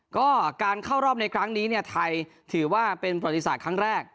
ก็การเข้ารอบในครั้งนี้เนี่ยไทยถือว่าเป็นประวัติศาสตร์ครั้งแรก